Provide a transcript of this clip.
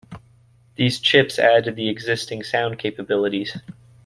These chips add to the existing sound capabilities.